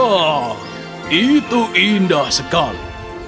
wah itu indah sekali